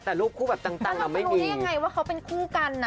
แต่รูปคู่แบบต่างเราไม่รู้ได้ยังไงว่าเขาเป็นคู่กันนะ